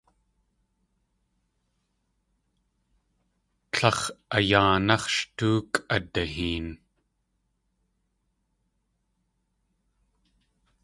Tlax̲ a yáanáx̲ sh tóokʼ adiheen.